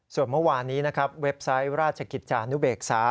ส่วนเมื่อวานนี้นะครับเว็บไซต์ราชกิจจานุเบกษา